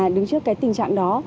đứng trước cái tình trạng đó